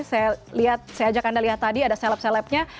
saya lihat saya ajak anda lihat tadi ada seleb selebnya